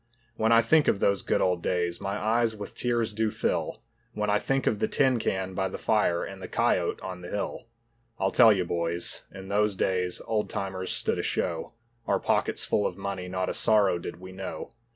When I think of those good old days, my eyes with tears do fill; When I think of the tin can by the fire and the cayote on the hill. I'll tell you, boys, in those days old timers stood a show, Our pockets full of money, not a sorrow did we know.